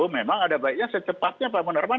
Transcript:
memang ada baiknya secepatnya pak munarman